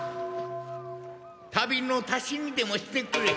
旅の足しにでもしてくれ。